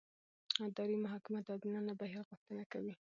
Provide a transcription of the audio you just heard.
اداري محاکمه د عادلانه بهیر غوښتنه کوي.